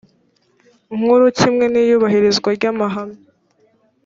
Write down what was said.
nkuru kimwe n iyubahirizwa ry amahame